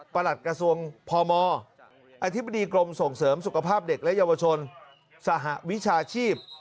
หลัดกระทรวงพมอธิบดีกรมส่งเสริมสุขภาพเด็กและเยาวชนสหวิชาชีพ